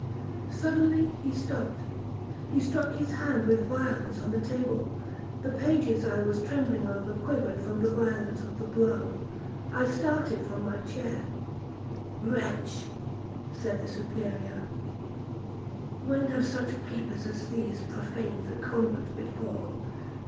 Suddenly he stopped;—he struck his hand with violence on the table,—the pages I was trembling over quivered from the violence of the blow,—I started from my chair. 'Wretch,' said the Superior, 'when have such papers as those profaned the convent before?